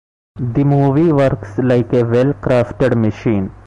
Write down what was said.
The movie works like a well-crafted machine.